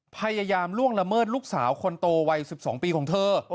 ล่วงละเมิดลูกสาวคนโตวัย๑๒ปีของเธอ